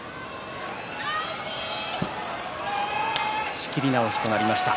仕切り直しとなりました。